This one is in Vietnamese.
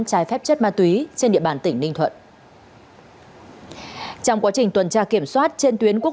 trái phép chất ma túy trên địa bàn tỉnh ninh thuận trong quá trình tuần tra kiểm soát trên tuyến quốc